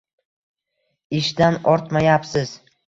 Ishdan ortmayapmiz.